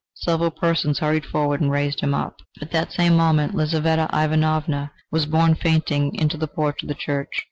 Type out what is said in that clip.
Several persons hurried forward and raised him up. At the same moment Lizaveta Ivanovna was borne fainting into the porch of the church.